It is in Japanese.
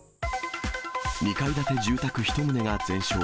２階建住宅１棟が全焼。